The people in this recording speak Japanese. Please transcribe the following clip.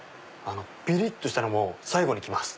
ビリっとしたのも最後に来ます。